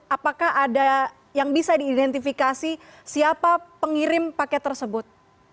apakah ada yang bisa diidentifikasi siapa pengirim paket tersebut